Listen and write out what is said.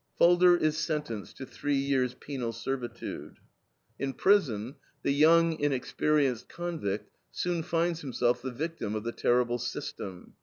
Falder is sentenced to three years' penal servitude. In prison, the young, inexperienced convict soon finds himself the victim of the terrible "system."